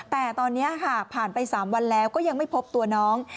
แต่ตอนนี้ค่ะผ่านไป๓วันแล้วก็ยังไม่พบตัวน้อง